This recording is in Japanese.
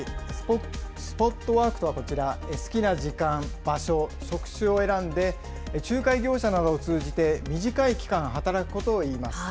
スポットワークとはこちら、好きな時間、場所、職種を選んで、仲介業者などを通じて短い期間働くことをいいます。